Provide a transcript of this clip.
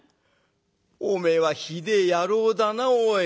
おめえはひでえ野郎だなおい。